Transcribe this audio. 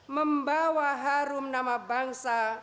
membawa harum nama bangsa